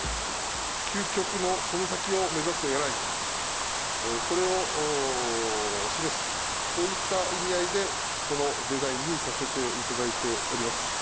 究極のその先を目指すエアライン、これを示す、こういった意味合いで、このデザインにさせていただいております。